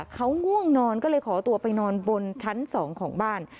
เขาง่วงนอนก็เลยขอตัวไปนอนบนชั้น๒ของบ้าน